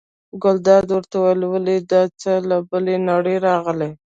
ګلداد ورته وویل: ولې دا څه له بلې نړۍ راغلي.